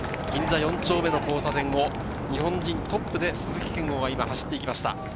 銀座４丁目の交差点を日本人トップで鈴木健吾が走っていきました。